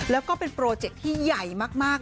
แล้วก็เป็นโปรเจคที่ใหญ่มาก